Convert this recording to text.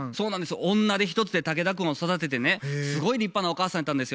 女手一つで竹田くんを育ててねすごい立派なお母さんやったんですよね。